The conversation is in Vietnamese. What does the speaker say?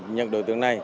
những đối tượng này